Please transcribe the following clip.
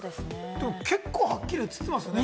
でも結構はっきり映ってますよね？